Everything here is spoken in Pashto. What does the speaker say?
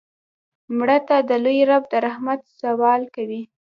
مړه ته د لوی رب د رحمت سوال کوو